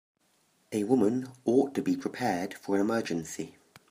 A woman ought to be prepared for any emergency.